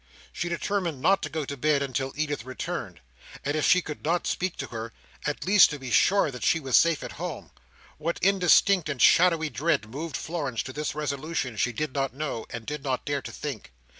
She determined not to go to bed until Edith returned, and if she could not speak to her, at least to be sure that she was safe at home. What indistinct and shadowy dread moved Florence to this resolution, she did not know, and did not dare to think.